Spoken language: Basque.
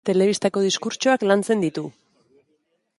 Telebistarako diskurtsoak lantzen ditu.